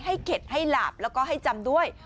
เข็ดให้หลาบแล้วก็ให้จำด้วย